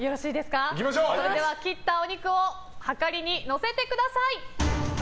それでは切ったお肉をはかりに乗せてください。